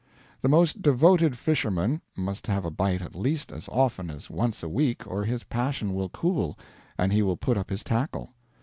The most devoted fisherman must have a bite at least as often as once a week or his passion will cool and he will put up his tackle.